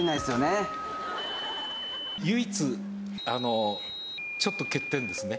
唯一ちょっと欠点ですね。